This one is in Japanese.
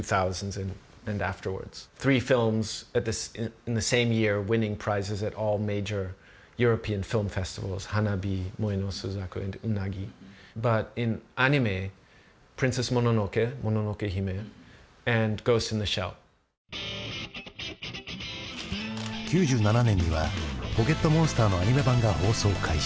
９７年には「ポケットモンスター」のアニメ版が放送開始。